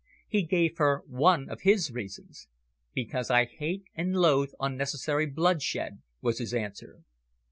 He gave her one of his reasons. "Because I hate and loathe unnecessary bloodshed," was his answer.